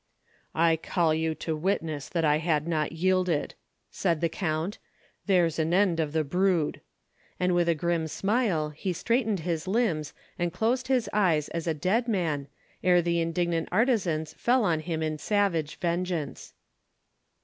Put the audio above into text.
"I call you to witness that I had not yielded," said the count. "There's an end of the brood!" and with a grim smile, he straightened his limbs, and closed his eyes as a dead man, ere the indignant artisans fell on him in savage vengeance.